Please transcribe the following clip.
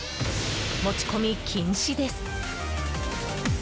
持ち込み禁止です。